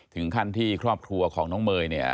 ถึงขั้นที่ครอบครัวของน้องเมย์เนี่ย